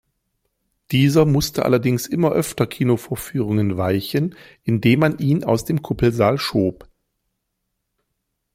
Dieser musste allerdings immer öfter Kinovorführungen weichen, indem man ihn aus dem Kuppelsaal schob.